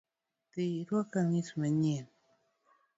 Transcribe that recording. Dhi iruak kamis manyien